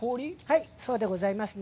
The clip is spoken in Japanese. はい、そうでございますね。